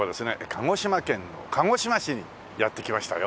鹿児島県の鹿児島市にやって来ましたよ。